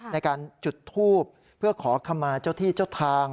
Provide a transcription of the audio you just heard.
ในการจุดทูบเพื่อขอขมาเจ้าที่เจ้าทาง